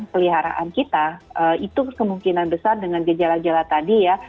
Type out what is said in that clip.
peliharaan kita itu kemungkinan besar dengan gejala gejala tadi ya